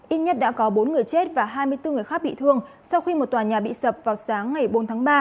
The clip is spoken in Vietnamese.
ít nhất đã có bốn người chết và hai mươi bốn người khác bị thương sau khi một tòa nhà bị sập vào sáng ngày bốn tháng ba